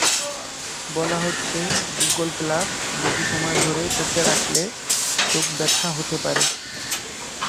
বলা হচ্ছে, Google Glass বেশি সময় ধরে চোখে রাখলে চোখব্যথা হতে পারে।